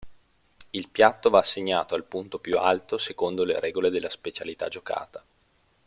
Il piatto va assegnato al punto più alto secondo le regole della specialità giocata.